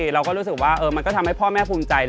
เราก็รู้สึกว่ามันก็ทำให้พ่อแม่ภูมิใจ